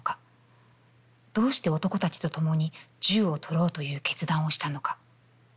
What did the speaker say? どうして男たちとともに銃をとろうという決断をしたのか？